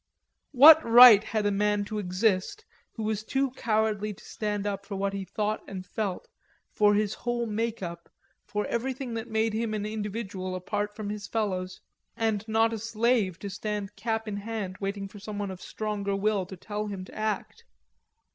What right had a man to exist who was too cowardly to stand up for what he thought and felt, for his whole makeup, for everything that made him an individual apart from his fellows, and not a slave to stand cap in hand waiting for someone of stronger will to tell him to act?